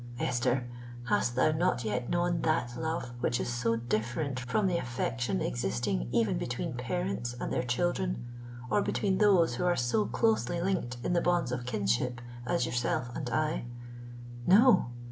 "—"Esther, hast thou not yet known that love which is so different from the affection existing even between parents and their children, or between those who are so closely linked in the bonds of kinship as yourself and I?"—"No!"